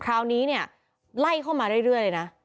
คราวนี้เนี่ยไล่เข้ามาเรื่อยเลยนะ